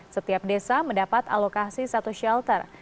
setiap desa mendapat alokasi satu shelter